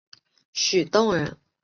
许洞人。